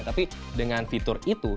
tapi dengan fitur itu